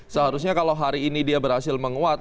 seharusnya kalau hari ini dia berhasil menguat